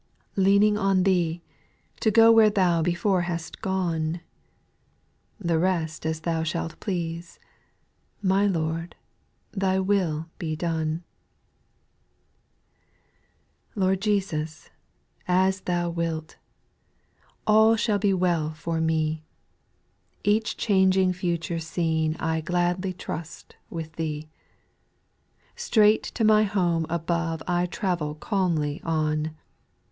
Leaning on Thee, to go Where Thou before hast gone ; The rest as Thou shalt please — My Lord, Thy will be done 1 7. Lord Jesus, as Thou wilt I All shall be well for me, Each changing future scene I gladly trust with Thee. Straight to my home above I travel calmly on.